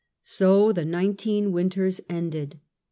So the "nineteen winters" ended.